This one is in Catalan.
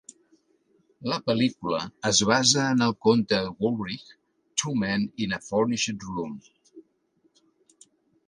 La pel·lícula es basa en el conte de Woolrich "Two Men in a Furnished Room".